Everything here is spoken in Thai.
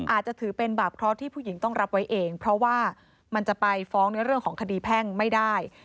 อาจจะถือเป็นบาปเคราะห์ที่ผู้หญิงต้องรับไว้เองเพราะว่ามันจะไปฟ้องในเรื่องของคดีแพ่งไม่ได้